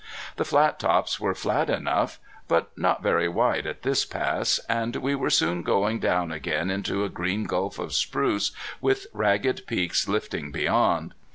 The Flattops were flat enough, but not very wide at this pass, and we were soon going down again into a green gulf of spruce, with ragged peaks lifting beyond.